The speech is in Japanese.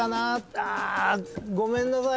あごめんなさい。